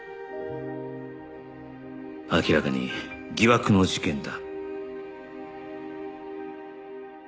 明らかに疑惑の事件だ